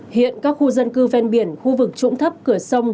hiện các khu dân cư ven biển khu vực trũng thấp cửa sông